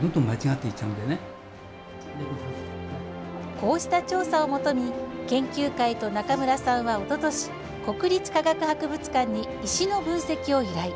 こうした調査をもとに研究会と中村さんはおととし、国立科学博物館に石の分析を依頼。